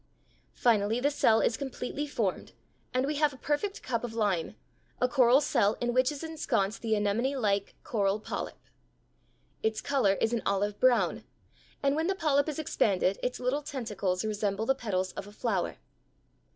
Finally, the cell is completely formed, and we have a perfect cup of lime, a coral cell in which is ensconced the anemonelike coral polyp. Its color is an olive brown, and when the polyp is expanded its little tentacles resemble the petals of a flower.